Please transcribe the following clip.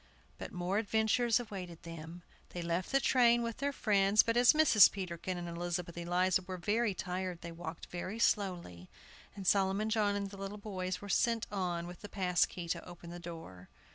But more adventures awaited them. They left the train with their friends; but as Mrs. Peterkin and Elizabeth Eliza were very tired, they walked very slowly, and Solomon John and the little boys were sent on with the pass key to open the door.